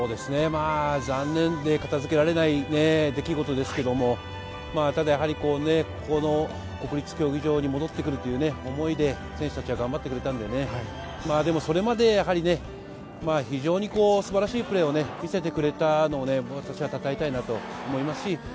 残念で片付けられない出来事ですけれども、ただ、国立競技場に戻ってくるという想いで選手たちは頑張ってくれたので、それまで非常に素晴らしいプレーを見せてくれたので、私はたたえたいと思います。